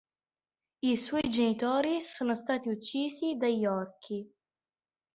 I suoi genitori sono stati uccisi dagli orchi.